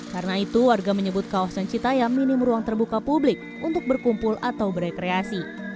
karena itu warga menyebut kawasan citaiam minim ruang terbuka publik untuk berkumpul atau berekreasi